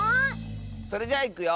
それじゃあいくよ。